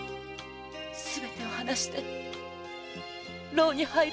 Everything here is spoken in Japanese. すべてを話して牢に入るつもりです。